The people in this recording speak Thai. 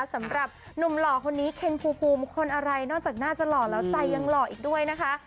สำหรับหนุ่มหล่อคนนี้เคนภูมิคนอะไรนอกจากน่าจะหล่อแล้วใจยังหล่ออีกด้วยนะคะ